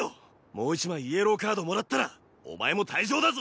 もう１枚イエローカードもらったらお前も退場だぞ。